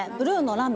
ラメ。